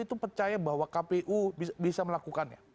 delapan puluh tujuh itu percaya bahwa kpu bisa melakukannya